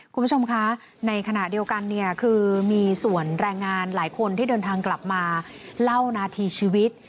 คุณผู้ชมคะในขณะเดียวกันเนี่ยคือมีส่วนแรงงานหลายคนที่เดินทางกลับมาเล่านาทีชีวิต